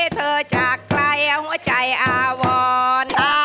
อบเตอร์มหาสนุกกลับมาสร้างความสนานครื้นเครงพร้อมกับแขกรับเชิง